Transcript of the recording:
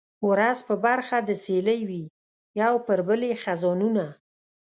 ورځ په برخه د سیلۍ وي یو پر بل یې خزانونه